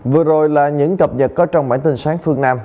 vừa rồi là những cập nhật có trong bản tin sáng phương nam